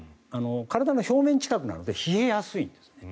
体の表面近くなので冷えやすいんですね。